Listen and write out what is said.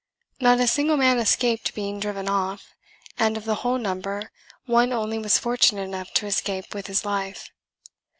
Not a single man escaped being driven off, and of the whole number one only was fortunate enough to escape with his life.